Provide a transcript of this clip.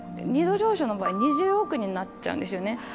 ℃上昇の場合２０億人になっちゃうんですよね